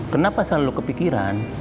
kenapa selalu kepikiran